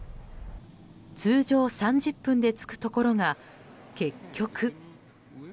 通常３０分で着くところが結局。